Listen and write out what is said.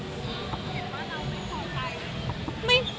เห็นว่าเราไม่พอใจ